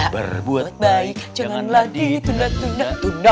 berbuat baik jangan lagi tunda tunda